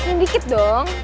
senyum dikit dong